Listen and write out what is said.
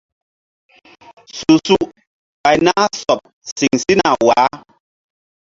Su su ɓay na sɔɓ siŋ sina waah.